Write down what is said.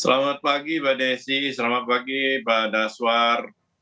selamat pagi mbak desi selamat pagi pak daswar